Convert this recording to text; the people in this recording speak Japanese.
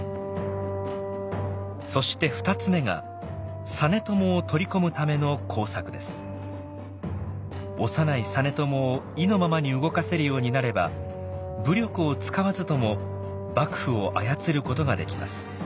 そして２つ目が幼い実朝を意のままに動かせるようになれば武力を使わずとも幕府を操ることができます。